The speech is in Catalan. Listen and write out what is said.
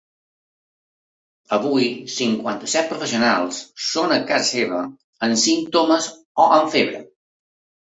Avui, cinquanta-set professionals són a casa seva amb símptomes o amb febre.